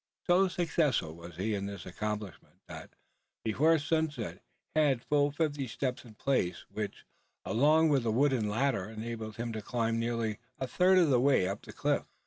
So successful was he in its accomplishment, that, before sunset he had full fifty steps in place; which, along with the wooden ladder, enabled him to climb nearly a third of the way up the cliff.